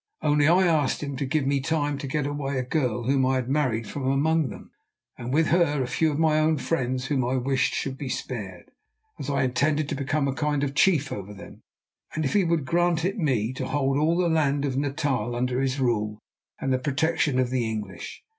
Only I asked him to give me time to get away a girl whom I had married from among them, and with her a few of my own friends whom I wished should be spared, as I intended to become a kind of chief over them, and if he would grant it me, to hold all the land of Natal under his rule and the protection of the English.